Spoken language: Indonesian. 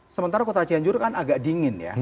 sementara kota cianjur kan agak dingin ya